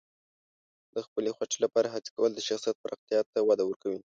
د خپلې خوښې لپاره هڅې کول د شخصیت پراختیا ته وده ورکوي.